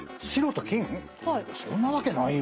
そんなわけないよ。